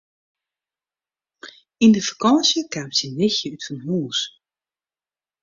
Yn de fakânsje kaam syn nichtsje útfanhûs.